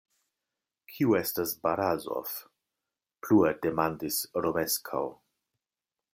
Kiu estas Barazof? plue demandis Romeskaŭ.